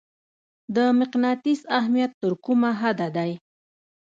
د مقناطیس اهمیت تر کومه حده دی؟